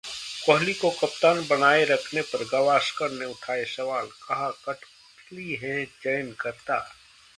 कोहली को कप्तान बनाए रखने पर गावस्कर ने उठाए सवाल, कहा- कठपुतली हैं चयनकर्ता